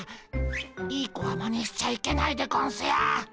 いい子はマネしちゃいけないでゴンスよ。